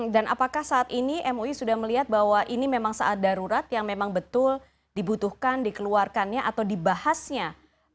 apakah saat ini mui sudah melihat bahwa ini memang saat darurat yang memang betul dibutuhkan dikeluarkannya atau dibahasnya